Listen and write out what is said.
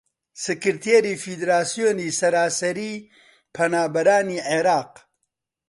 سکرتێری فیدراسیۆنی سەراسەریی پەنابەرانی عێراق